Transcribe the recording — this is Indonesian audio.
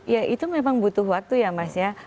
ya itu memang butuh waktu ya mas ya